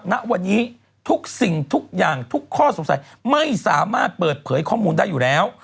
ณวันนี้ทุกสิ่งทุกอย่างทุกข้อสงสัยไม่สามารถเปิดเผยข้อมูลได้อยู่แล้ว